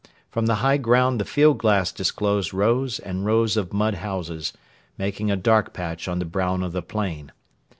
From the high ground the field glass disclosed rows and rows of mud houses, making a dark patch on the brown of the plain.